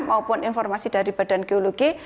maupun informasi dari badan geologi